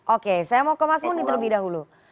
oke saya mau ke mas muni terlebih dahulu